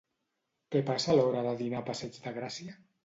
Què passa a l'hora de dinar a passeig de Gràcia?